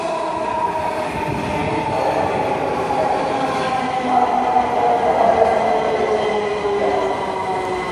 Train ঝড়ের বেগে ছুটিয়াছে-মাঠ, মাটি, গাছপালা একাকার করিয়া ছুটিয়াছে।